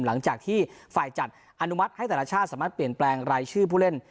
หลังจากที่ฝ่ายจัดอนุมัติให้แต่ละชาติสามารถเปลี่ยนแปลงรายชื่อผู้เล่น